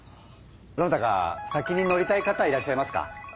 どなたか先に乗りたい方いらっしゃいますか？